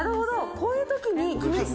こういうときに。